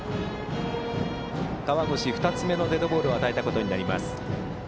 河越、２つ目のデッドボールを与えたことになります。